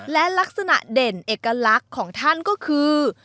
และลักษณะเด่นเอกลักษณ์ของท่านก็คือ